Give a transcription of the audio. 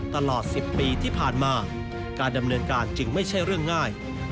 ตลอด๑๐ปีที่ผ่านมาการดำเนินการจึงไม่ใช่เรื่องง่าย